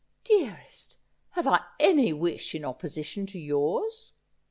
' Dearest, have I any wish in opposition to yours